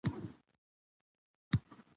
کرنه زموږ د هېواد د اقتصاد مهمه ستنه ده